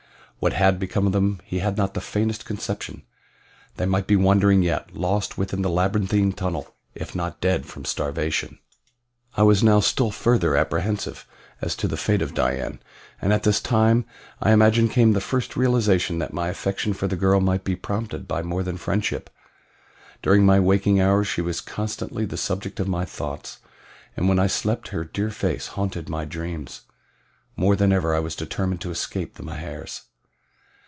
What had become of them he had not the faintest conception they might be wandering yet, lost within the labyrinthine tunnel, if not dead from starvation. I was now still further apprehensive as to the fate of Dian, and at this time, I imagine, came the first realization that my affection for the girl might be prompted by more than friendship. During my waking hours she was constantly the subject of my thoughts, and when I slept her dear face haunted my dreams. More than ever was I determined to escape the Mahars.